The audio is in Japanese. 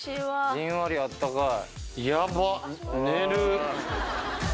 じんわりあったかい。